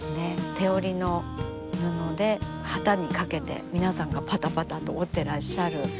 手織りの布で機にかけて皆さんがぱたぱたと織ってらっしゃる布ですね。